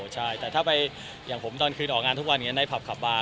ใช่แต่ถ้าไปอย่างผมตอนคืนออกงานทุกวันอย่างนี้ในผับขับมา